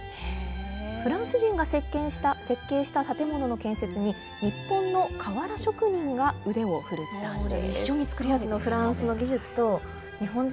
フランス人が設計した建物の建設に、日本の瓦職人が腕を振るったんです。